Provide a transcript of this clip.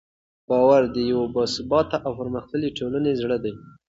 باور د یوې باثباته او پرمختللې ټولنې زړه دی.